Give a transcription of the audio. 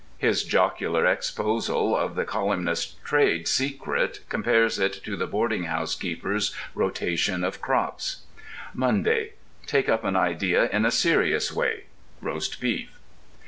His jocular exposal of the colyumist's trade secret compares it to the boarding house keeper's rotation of crops: MONDAY. Take up an idea in a serious way. (ROAST BEEF.)